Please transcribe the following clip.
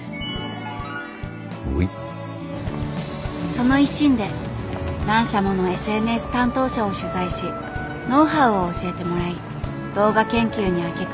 その一心で何社ものＳＮＳ担当者を取材しノウハウを教えてもらい動画研究に明け暮れた。